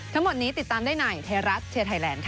ทั้งหมดนี้ติดตามได้ในไทยรัฐเชียร์ไทยแลนด์ค่ะ